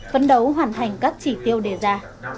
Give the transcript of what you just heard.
phấn đấu hoàn hành các chỉ tiêu đề ra